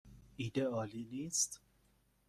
ایده عالی نیست؟